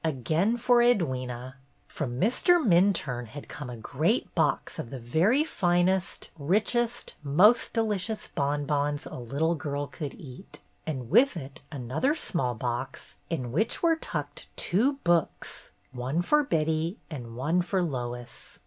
Again for Edwyna. From Mr. Minturne had come a great box of the very finest, richest, most delicious bonbons a little girl could eat, and with it another small box, in which were tucked two books, one for Betty and one for Lois.